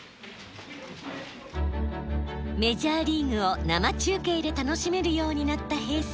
メジャーリーグを生中継で楽しめるようになった平成。